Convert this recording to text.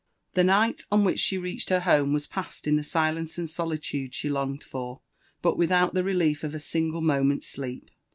The nigM on which she reached her home was passed in the silence and sdilude she longed for, but without the relief of a single moment's sleep.